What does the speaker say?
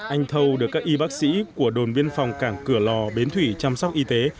anh thâu được các y bác sĩ của đồn biên phòng cảng cửa lò bến thủy chăm sóc y tế